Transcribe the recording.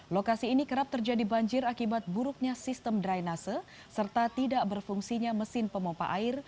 lokasi ini kerap terjadi banjir akibat buruknya sistem drainase serta tidak berfungsinya mesin pemompa air